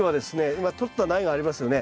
今とった苗がありますよね。